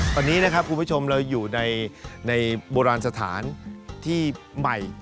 ตอนนี้นะครับคุณผู้ชมเราอยู่ในโบราณสถานที่ใหม่